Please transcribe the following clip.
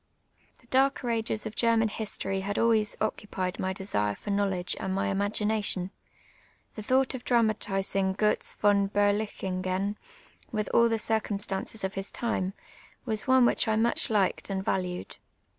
The darker a«^es of Gennan history had always occupied my desire for knowledge and my imai^ination. Tlie thoui; ht of dramati/in«; Gvtz von BerUchinifcn, with all the circum stances of his time, was one which I much liked and valued.